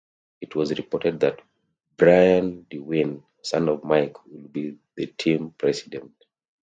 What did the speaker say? It was reported that Brian DeWine, son of Mike, would be the team president.